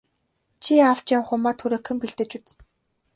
Чи авч явах юмаа түргэхэн бэлдэж үз.